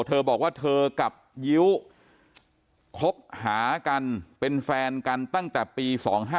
เธอบอกว่าเธอกับยิ้วคบหากันเป็นแฟนกันตั้งแต่ปี๒๕๕